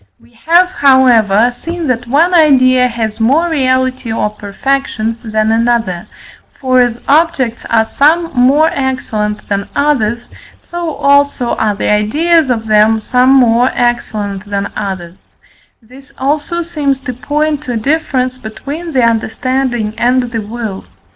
We have, however, seen that one idea has more reality or perfection than another, for as objects are some more excellent than others, so also are the ideas of them some more excellent than others; this also seems to point to a difference between the understanding and the will.